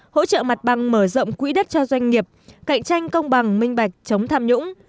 hỗ trợ mặt bằng mở rộng quỹ đất cho doanh nghiệp cạnh tranh công bằng minh bạch chống tham nhũng